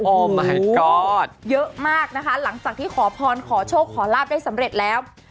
มหัฐเยอะมากนะคะหลังจากที่ขอพรขอโชคขอลาบได้สำเร็จแล้ว